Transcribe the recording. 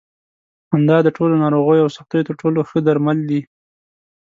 خندا د ټولو ناروغیو او سختیو تر ټولو ښه درمل دي.